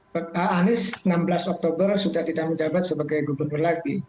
pak anies enam belas oktober sudah tidak menjabat sebagai gubernur lagi